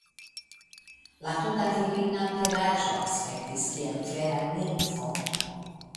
La tuta virina aperaĵo aspektis kiel vera nimfo.